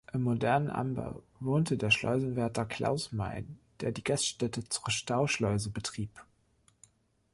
Im modernen Anbau wohnte der Schleusenwärter Claus Meyn, der die Gaststätte „Zur Stauschleuse“ betrieb.